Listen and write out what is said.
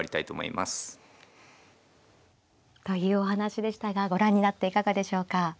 というお話でしたがご覧になっていかがでしょうか。